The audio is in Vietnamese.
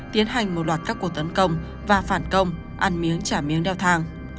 tiến hành một loạt các cuộc tấn công và phản công ăn miếng trả miếng đeo thang